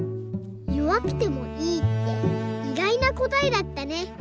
「よわくてもいい」っていがいなこたえだったね。